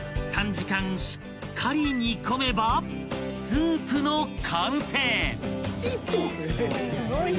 ［３時間しっかり煮込めばスープの完成］